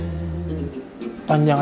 buluh kaki kamu panjang ceng